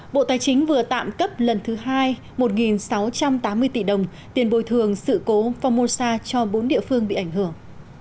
bộ tài chính vừa tạm cấp lần thứ hai một sáu trăm tám mươi tỷ đồng tiền bồi thường sự cố phongmosa cho bốn địa phương bị ảnh hưởng